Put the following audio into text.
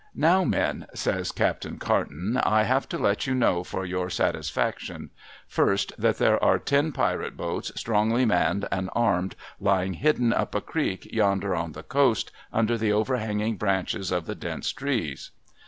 ' Now, men !' says Captain Carton ;' I have to let you know, for your satisfaction : Firstly, that there are ten pirate boats, strongly manned and armed, lying hidden up a creek yonder on the coast, under the overhanging branches of the dense trees.